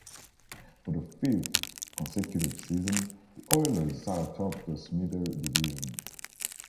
For the fifth consecutive season, the Oilers sat atop the Smythe Division.